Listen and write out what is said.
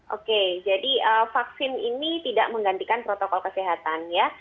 oke jadi vaksin ini tidak menggantikan protokol kesehatan ya